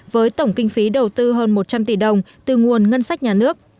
với tổng kinh phí đầu tư hơn một trăm linh tỷ đồng từ nguồn ngân sách nhà nước